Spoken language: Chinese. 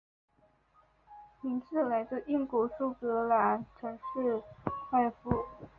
名字来自英国苏格兰城市快富。